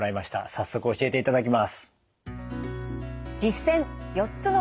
早速教えていただきます。